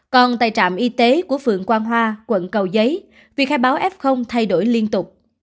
còn tại trạm y tế của phượng quang hoa quận cầu giấy việc khai báo f thay đổi liên tục